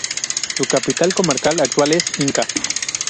Su capital comarcal actual es Inca.